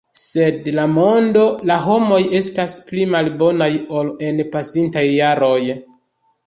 Sed la mondo, la homoj estas pli malbonaj ol en pasintaj jaroj.